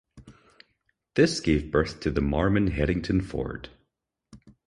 This gave birth to the Marmon-Herrington Ford.